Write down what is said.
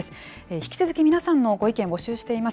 引き続き皆さんのご意見、募集しています。